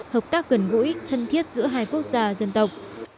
hợp tác gần gũi thân thiết giữa hai quốc gia dân tộc